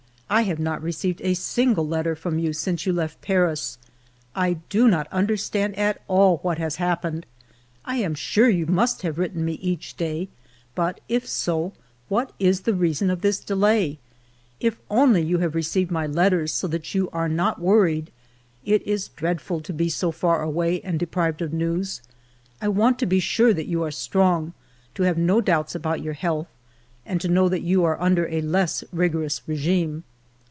I have not received a single letter from you since you left Paris ; I do not understand at all what has happened ! 1 am sure you must have written me each day, but if so, what is the reason of this delay ? If only you have received my letters, so that you are not worried ! It is dreadful to be so far away and deprived of news. I want to be sure that you are strong, to have no doubts about your health, and to know that you are under a less rigorous regime.